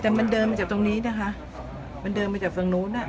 แต่มันเดินมาจากตรงนี้นะคะมันเดินมาจากฝั่งนู้นอ่ะ